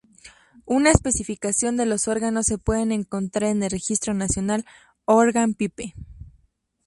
Una especificación de los órganos se pueden encontrar en el Registro Nacional Organ Pipe.